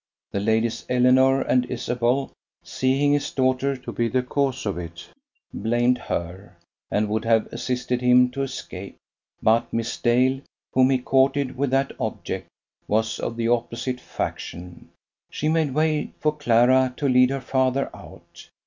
The ladies Eleanor and Isabel, seeing his daughter to be the cause of it, blamed her, and would have assisted him to escape, but Miss Dale, whom he courted with that object, was of the opposite faction. She made way for Clara to lead her father out.